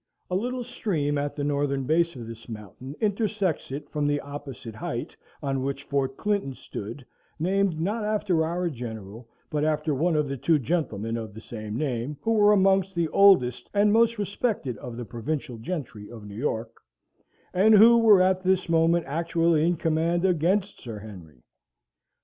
A little stream at the northern base of this mountain intersects it from the opposite height on which Fort Clinton stood, named not after our general, but after one of the two gentlemen of the same name, who were amongst the oldest and most respected of the provincial gentry of New York, and who were at this moment actually in command against Sir Henry.